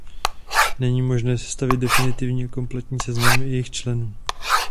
Není možné sestavit definitivní a kompletní seznam jejích členů.